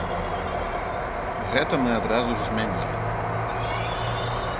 Гэта мы адразу ж змянілі.